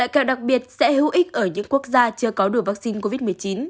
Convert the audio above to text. kẹo đặc biệt sẽ hữu ích ở những quốc gia chưa có đủ vaccine covid một mươi chín